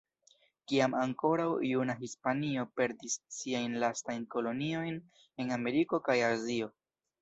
Kiam ankoraŭ juna Hispanio perdis siajn lastajn koloniojn en Ameriko kaj Azio.